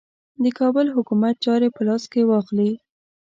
د کابل حکومت چاري په لاس کې واخلي.